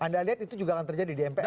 anda lihat itu juga akan terjadi di mpr